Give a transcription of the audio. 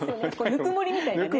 ぬくもりみたいなね。